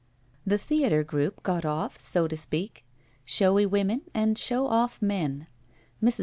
The theater group got off, so to speak. Showy women and show oflf men. Mrs.